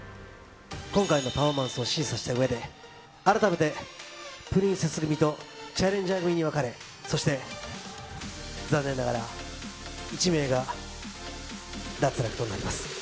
今回のパフォーマンスを審査したうえで、改めてプリンセス組とチャレンジャー組に分かれ、そして、残念ながら１名が脱落となります。